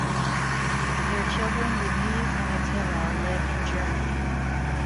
Their children Deniz and Atilla live in Germany.